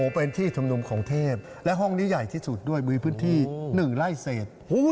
เป็นที่ชุมนุมของเทพและห้องนี้ใหญ่ที่สุดด้วยมีพื้นที่๑ไร่เศษ